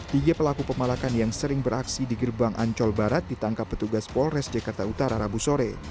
tiga pelaku pemalakan yang sering beraksi di gerbang ancol barat ditangkap petugas polres jakarta utara rabu sore